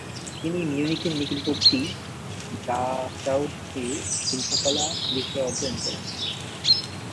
তিনি মিউনিখের নিকটবর্তী ডাচাউতে শিল্পকলা বিষয়ে অধ্যয়ন করেন।